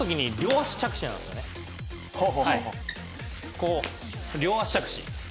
こう両足着地。